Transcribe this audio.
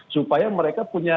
supaya mereka punya